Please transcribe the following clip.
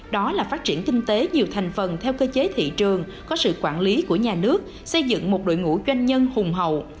đó là phát triển kinh tế nhiều thành phần theo cơ chế thị trường có sự quản lý của nhà nước xây dựng một đội ngũ doanh nhân hùng hậu